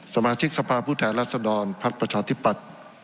สมาชิกสภาผู้แทนรัฐสนรพรรคประชาธิปัตย์